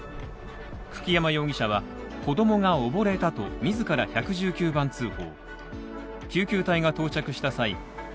久木山佳代容疑者は、子供が溺れたと自ら１１９番通報。